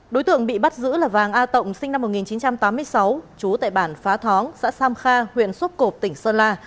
đối tượng bị bắt giữ là vàng a tộng sinh năm một nghìn chín trăm tám mươi sáu trú tại bản phá thóng xã sam kha huyện sốp cộp tỉnh sơn la